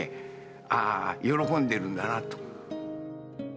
ああ喜んでるんだなと。